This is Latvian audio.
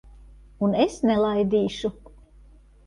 Un es nelaidīšu.